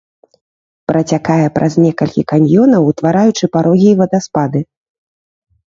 Працякае праз некалькі каньёнаў, утвараючы парогі і вадаспады.